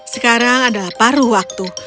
sekarang adalah paru waktu